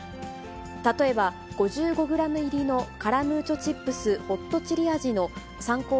例えば、５５グラム入りのカラムーチョチップスホットチリ味の参考